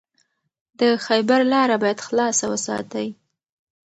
د خیبر لاره باید خلاصه وساتئ.